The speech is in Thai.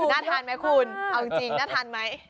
น่าทานไหมคุณเอาจริงน่าทานไหม